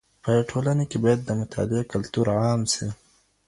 په ټولنه کي بايد د مطالعې کلتور عام سي.